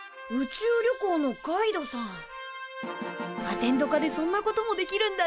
アテンド科でそんなこともできるんだね。